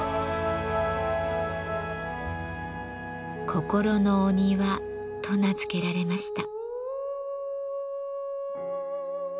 「こころのお庭」と名付けられました。